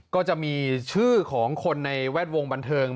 ก็จะมีชื่อของคนในแวดวงบันเทิง